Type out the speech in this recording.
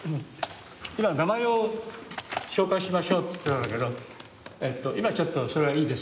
今名前を紹介しましょうって言ってたんだけど今ちょっとそれはいいです。